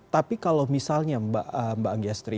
tapi kalau misalnya mbak anggiastri